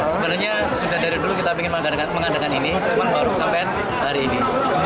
sebenarnya sudah dari dulu kita ingin mengadakan ini cuma baru sampai hari ini